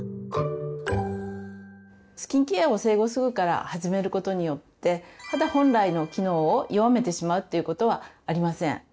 スキンケアを生後すぐから始めることによって肌本来の機能を弱めてしまうということはありません。